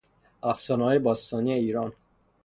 افسانههای باستانی ایران